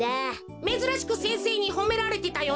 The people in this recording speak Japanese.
めずらしく先生にほめられてたよな。